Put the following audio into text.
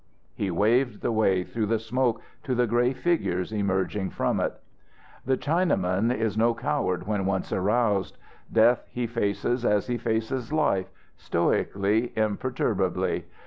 He waved the way through the smoke to the grey figures emerging from it. The Chinaman is no coward when once aroused. Death he faces as he faces life, stoically, imperturbably.